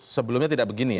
sebelumnya tidak begini ya